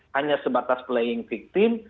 hanya sebatas playing victim